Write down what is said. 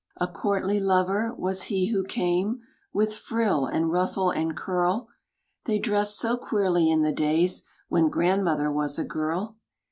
A courtly lover, was he who came, With frill and ruffle and curl They dressed so queerly in the days When grandmother was a girl!